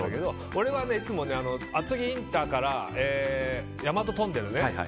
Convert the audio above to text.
俺はいつも厚木インターから大和トンネルね。